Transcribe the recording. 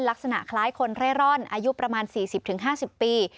ลักษณะคล้ายคนเร่ร่อนอายุประมาณ๔๐๕๐ปี